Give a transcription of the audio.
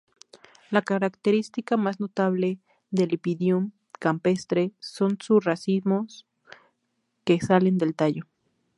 La característica más notable de "Lepidium campestre" son sus racimos que salen del tallo.